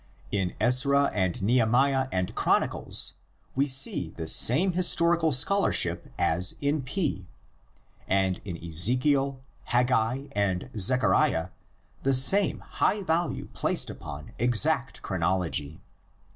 In Ezra and Nehemiah and Chronicles we see the same historical scholarship as ] 56 THE LEGENDS OF GENESIS. in P, and in Ezekiel, Haggai, and Zechariah the same high value placed upon exact chronology.